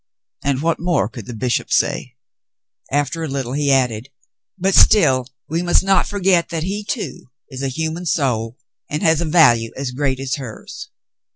And what more could the bishop say .f^ After a little, he added, "But still we must not forget that he, too, is a human soul and has a value as great as hers."